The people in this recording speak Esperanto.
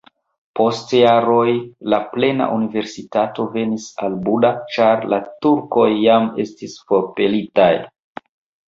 Post jaroj la plena universitato venis al Buda, ĉar la turkoj jam estis forpelitaj.